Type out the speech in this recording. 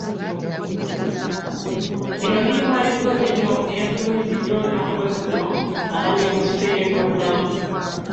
Bino biri mu alipoota eno eyafulumiziddwa olunaku lw’eggulo aba Ministule y’ebyobulamu.